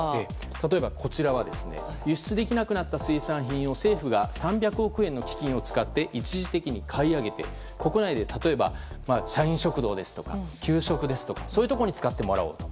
例えば、こちらは輸出できなくなった水産品を政府が３００億円の基金を使って一時的に買い上げて国内で、例えば社員食堂ですとか給食ですとか、そういうところに使ったもらおうと。